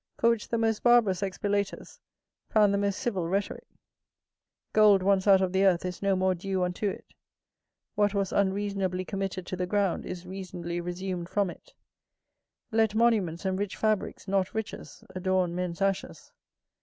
For which the most barbarous expilators found the most civil rhetorick. Gold once out of the earth is no more due unto it; what was unreasonably committed to the ground, is reasonably resumed from it; let monuments and rich fabricks, not riches, adorn men's ashes.